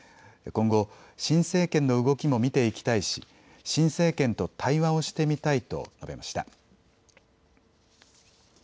今後、新政権の動きも見ていきたいし新政権と対話をしてみたいと述べました。